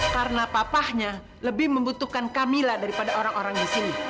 karena papahnya lebih membutuhkan kamila daripada orang orang di sini